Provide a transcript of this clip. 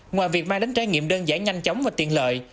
ngoài việc mang đến trải nghiệm đơn giản nhanh chóng và tiện lợi